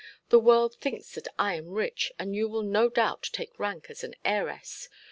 The world thinks that I am rich, and you will no doubt take rank as an heiress.